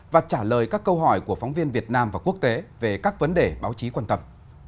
và trả lời các câu hỏi của phóng viên việt nam và quốc tế về các vấn đề báo chí quan tâm